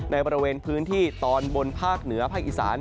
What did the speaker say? ในบริเวณพื้นที่ตอนบนภาคเหนือภาคอีสาน